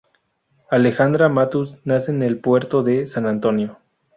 Alejandra Matus nace en el puerto de San Antonio.